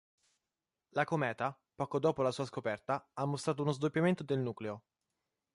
La cometa, poco dopo la sua scoperta, ha mostrato uno sdoppiamento del nucleo.